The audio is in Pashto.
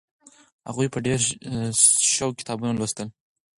هغوی په ډېر سوق کتابونه لوستل.